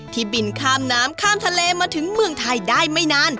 บินข้ามน้ำข้ามทะเลมาถึงเมืองไทยได้ไม่นาน